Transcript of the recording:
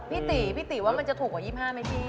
พี่ตีว่ามันจะถูกกว่า๒๕บาทไหมพี่